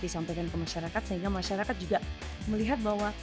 disampaikan ke masyarakat sehingga masyarakat juga melihat bahwa